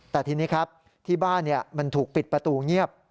แต่ทีนี้ครับที่บ้านมันถูกปิดประตูเงียบ